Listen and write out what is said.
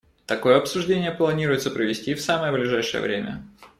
Такое обсуждение планируется провести в самое ближайшее время.